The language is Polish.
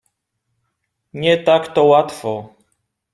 — Nie tak to łatwo.